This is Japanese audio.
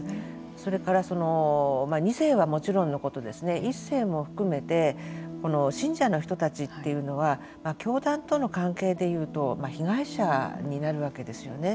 それから、２世はもちろんのこと１世も含めて信者の人たちというのは教団との関係でいうと被害者になるわけですよね。